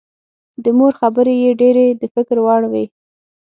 د مور خبرې یې ډېرې د فکر وړ وې